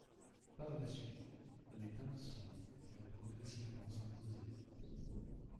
Par la suite, les teintes sombres vont progressivement s’imposer.